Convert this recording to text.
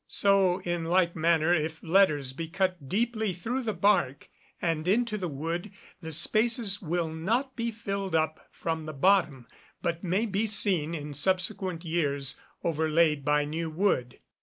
So in like manner if letters be cut deeply through the bark and into the wood, the spaces will not be filled up from the bottom, but may be seen in subsequent years overlaid by new wood.